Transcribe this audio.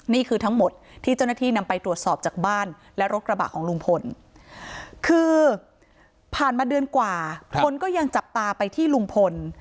นี่คือทั้งหมดที่เจ้าหน้าที่นำไปตรวจสอบจากบ้านและรถกระบะของลุงพลคือผ่านมาเดือนกว่าคนก็ยังจับตาไปที่ลุงพล